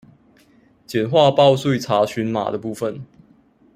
簡化報稅查詢碼的部分